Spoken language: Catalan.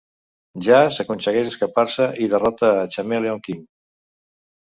Jazz aconsegueix escapar-se i derrota a Chameleon King.